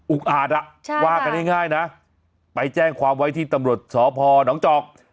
อาจว่ากันง่ายนะไปแจ้งความไว้ที่ตำรวจสพนจอก